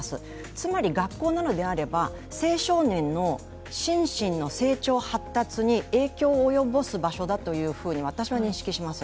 つまり、学校なのであれば、青少年の心身の成長発達に影響を及ぼす場所だと私は認識します。